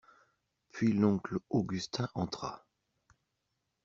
Puis l'oncle Augustin entra.